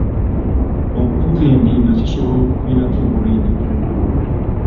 Okuvuga endiima kisobola okuviirako obubenje ku nguudo.